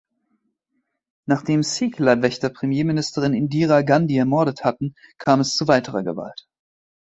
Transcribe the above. Nachdem Sikh-Leibwächter Premierministerin Indira Gandhi ermordet hatten, kam es zu weiterer Gewalt.